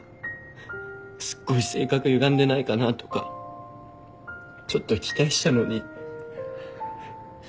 すっごい性格ゆがんでないかなとかちょっと期待したのに。